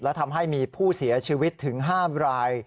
และทำให้มีผู้เสียชีวิตถึง๕ราย